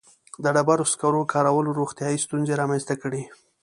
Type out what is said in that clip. • د ډبرو سکرو کارولو روغتیایي ستونزې رامنځته کړې.